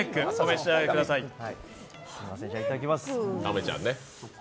いただきます。